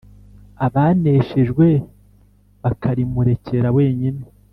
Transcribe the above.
abaneshejwe bakarimurekera wenyine.